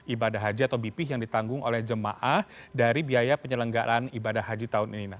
ibadah haji atau bp yang ditanggung oleh jemaah dari biaya penyelenggaraan ibadah haji tahun ini